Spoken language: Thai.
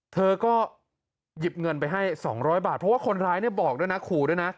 เธอก็หยิบเงินไปให้๒๐๐บาทเพราะว่าคนร้ายเนี่ยบอกด้วยนะขู่ด้วยนะ